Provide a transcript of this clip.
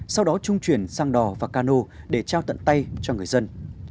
sau đó trung chuyển sang đò và cano để trao tận tay cho người dân